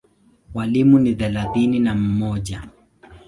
Walimu ni thelathini na mmoja.